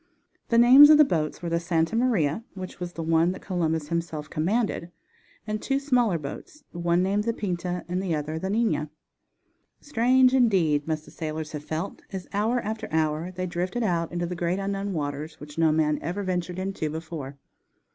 The names of the boats were the Santa Maria, which was the one that Columbus himself commanded, and two smaller boats, one named the Pinta and the other the Nina. Strange, indeed, must the sailors have felt, as hour after hour they drifted out into the great unknown waters, which no man ever ventured into before.